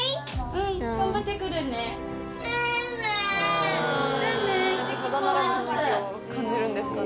うん頑張ってくるねじゃあね